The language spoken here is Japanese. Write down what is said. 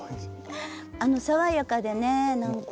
爽やかでね何か。